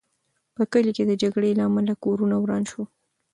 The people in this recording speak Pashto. په کلي کې د جګړې له امله کورونه وران شول.